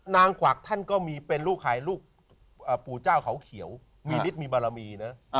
กวักท่านก็มีเป็นลูกขายลูกปู่เจ้าเขาเขียวมีฤทธิมีบารมีนะ